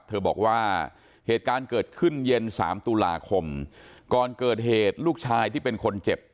บอกว่าเหตุการณ์เกิดขึ้นเย็นสามตุลาคมก่อนเกิดเหตุลูกชายที่เป็นคนเจ็บ